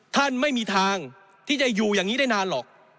ท่านไม่มีทางที่จะอยู่อย่างนี้ได้นานหรอก